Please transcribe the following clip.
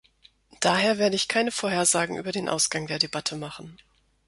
Daher werde ich keine Vorhersagen über den Ausgang der Debatte machen.